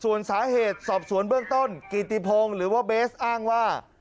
ส่วนสาเหตุสอบสวนเบื้องต้นกิติพงศ์หรือว่าเบสอ้างว่า